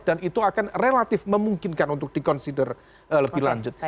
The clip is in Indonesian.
dan itu akan relatif memungkinkan untuk di consider lebih lanjut